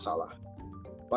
dan ganjar hampir sudah berubah